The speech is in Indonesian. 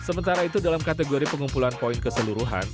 sementara itu dalam kategori pengumpulan poin keseluruhan